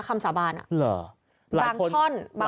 ทั้งหลวงผู้ลิ้น